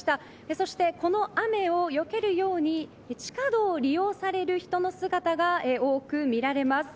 そして、この雨をよけるように地下道を利用される人の姿が多く見られます。